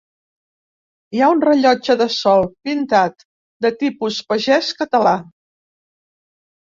Hi ha un rellotge de sol, pintat, de tipus pagès català.